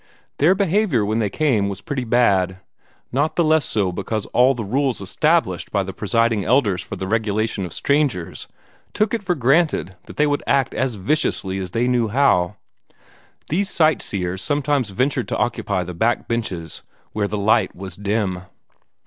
Their behavior when they came was pretty bad not the less so because all the rules established by the Presiding Elders for the regulation of strangers took it for granted that they would act as viciously as they knew how. These sight seers sometimes ventured to occupy the back benches where the light was dim.